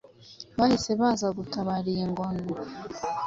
bahise baza gutabara iyi ngona ,